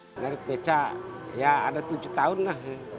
menarik beca ya ada tujuh tahun lah